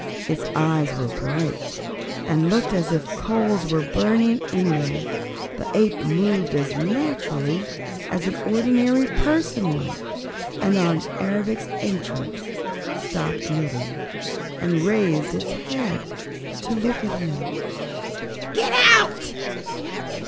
Its eyes were bright and looked as if coals were burning in them. The ape moved as naturally as an ordinary person might, and on Ervic's entrance stopped knitting and raised its head to look at him. "Get out!"